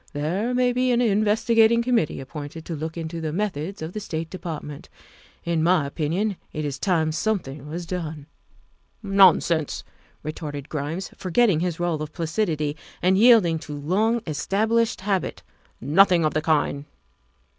There may be an investigating committee appointed to look into the methods of the State Department. In my opinion it is time something was done. '''' Nonsense !'' retorted Grimes, forgetting his role of placidity and yielding to long established habit, " nothing of the kind."